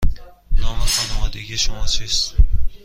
نام خانوادگی شما چیست؟